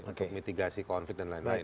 untuk mitigasi konflik dan lain lain